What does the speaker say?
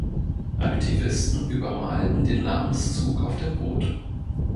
Aktivisten übermalten den Namenszug auf dem Boot.